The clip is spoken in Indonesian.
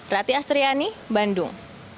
rati astriani bandung